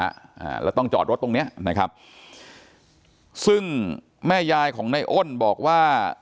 อ่าแล้วต้องจอดรถตรงเนี้ยนะครับซึ่งแม่ยายของในอ้นบอกว่า